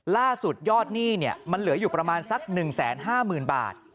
ล่าสุดยอดหนี้มันเหลืออยู่ประมาณสัก๑๕๐๐๐บาท